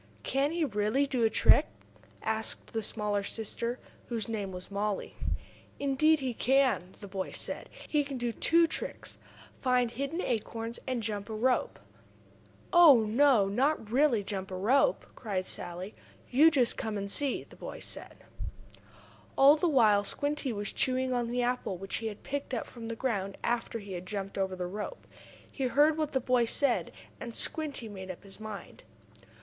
"Can he really do a trick?" asked the smaller sister, whose name was Mollie. "Indeed he can," the boy said. "He can do two tricks find hidden acorns, and jump a rope." "Oh, no, not really jump a rope!" cried Sallie. "You just come and see!" the boy called. All this while Squinty was chewing on the apple which he had picked up from the ground after he had jumped over the rope. He heard what the boy said, and Squinty made up his mind.